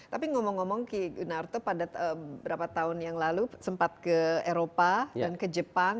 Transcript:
tapi ngomong ngomong ki gunarto pada beberapa tahun yang lalu sempat ke eropa dan ke jepang